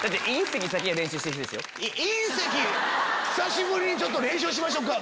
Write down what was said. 久しぶりに練習しましょうか。